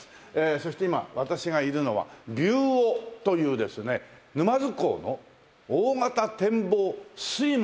そして今私がいるのは「びゅうお」というですね沼津港の大型展望水門。